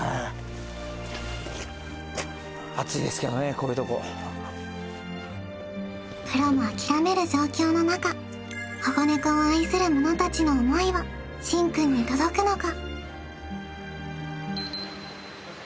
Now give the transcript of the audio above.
こういうとこプロも諦める状況の中保護ネコを愛する者たちの思いはしんくんに届くのか？